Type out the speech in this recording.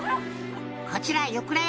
「こちら」